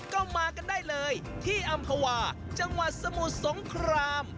ก็มากันได้เลยที่อำภาวาจังหวัดสมุทรสงคราม